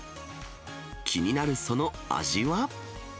気になるその味は。